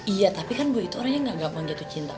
iya tapi kan bu itu orang yang gak gampang jatuh cinta